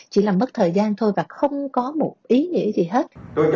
chỉ là mất thời gian thôi và không có một ý nghĩa gì hết